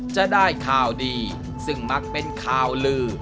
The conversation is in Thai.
จะได้ข่าวดีซึ่งมักเป็นข่าวลือ